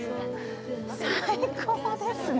最高ですね。